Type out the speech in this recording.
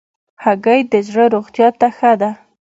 هګۍ د زړه روغتیا ته ښه ده.